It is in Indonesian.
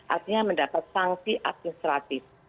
artinya mendapat sanksi administratif